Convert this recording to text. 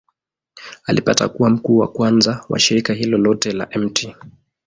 Alipata kuwa mkuu wa kwanza wa shirika hilo lote la Mt.